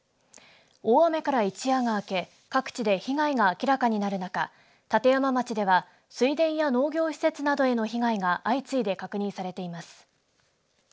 大雨から一夜が明け各地で被害が明らかになる中立山町では水田や農業施設などへの被害が相次いで確認されています。